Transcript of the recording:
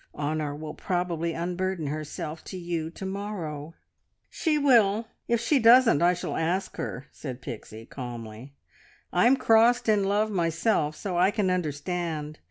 Honor will probably unburden herself to you to morrow." "She will. If she doesn't I shall ask her," said Pixie calmly. "I'm crossed in love myself, so I can understand.